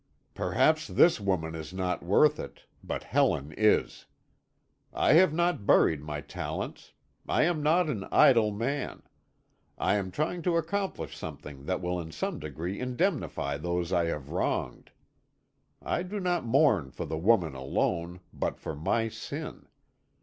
"Perhaps this woman is not worth it but Helen is. I have not buried my talents. I am not an idle man. I am trying to accomplish something that will in some degree indemnify those I have wronged. I do not mourn for the woman alone, but for my sin.